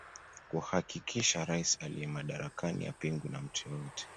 Kuhakikisha rais aliye madarakani hapingwi na mtu yeyote